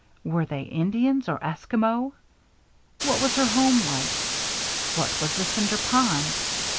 Were they Indians or Esquimaux? What was her home like? What was the Cinder Pond?